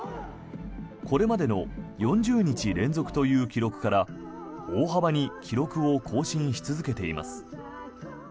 これまでの４０日連続という記録から大幅に記録を更新し続けています。